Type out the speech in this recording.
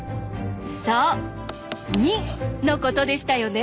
そう「２」のことでしたよね。